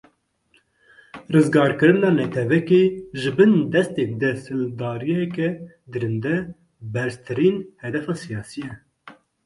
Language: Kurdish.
Rizgarkirina netewekê ji bin destê desthilatdariyeke dirinde, berztirîn hedefa siyasî ye.